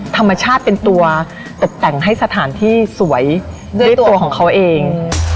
ธรรมชาติเป็นตัวตกแต่งให้สถานที่สวยด้วยตัวของเขาเอง